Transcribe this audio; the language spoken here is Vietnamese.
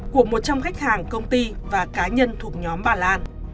của một trăm linh khách hàng công ty và cá nhân thuộc nhóm bà lan